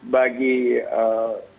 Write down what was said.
bagi tentu saja